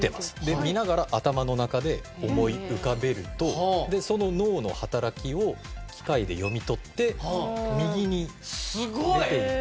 見ながら頭の中で思い浮かべるとその脳の働きを機械で読み取って右に出ている。